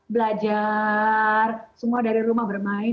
belajar semua dari rumah bermain